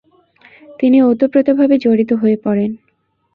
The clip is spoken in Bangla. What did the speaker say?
তিনি ওতপ্রোতভাবে জড়িত হয়ে পড়েন।